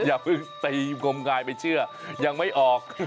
อย่าเพิ่งตีกลมกายไปเชื่อยังไม่ออก